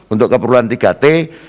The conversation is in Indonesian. untuk keperluan tiga t